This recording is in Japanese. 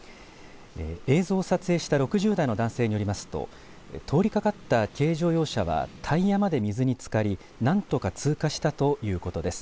映像を撮影した６０代の男性によりますと通りかかった軽乗用車はタイヤまで水につかりなんとか通過したということです。